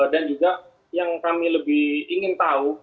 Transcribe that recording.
dan juga yang kami lebih ingin tahu